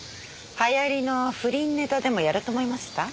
流行りの不倫ネタでもやると思いました？